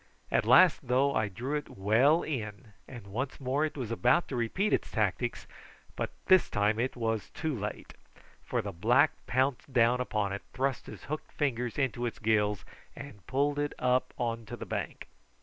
At last, though, I drew it well in, and once more it was about to repeat its tactics; but this time it was too late, for the black pounced down upon it, thrust his hooked finger into its gills, and pulled it up on to the bank.